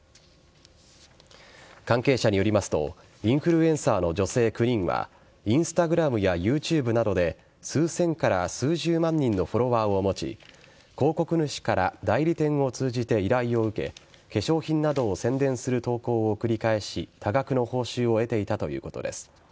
関係者によりますとインフルエンサーの女性９人はＩｎｓｔａｇｒａｍやＹｏｕＴｕｂｅなどで数千から数十万人のフォロワーを持ち広告主から代理店を通じて依頼を受け化粧品などを宣伝する投稿を繰り返し多額の報酬を得ていたということです。